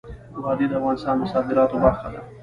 وادي د افغانستان د صادراتو برخه ده.